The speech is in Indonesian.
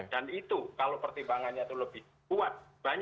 dan itu kalau pertimbangannya itu lebih kuat